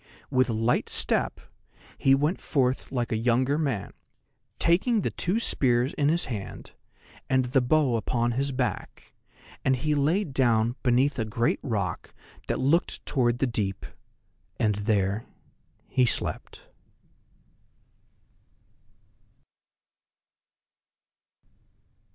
With a light step he went forth like a younger man, taking the two spears in his hand, and the bow upon his back, and he lay down beneath a great rock that looked toward the deep, and there he slept.